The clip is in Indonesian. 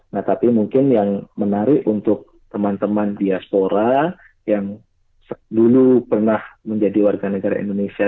nah tapi mungkin yang menarik untuk teman teman diaspora yang dulu pernah menjadi warga negara indonesia